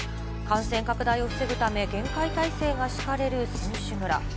感染拡大を防ぐため、厳戒態勢が敷かれる選手村。